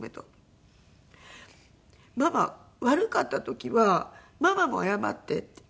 「ママ悪かった時はママも謝って」って。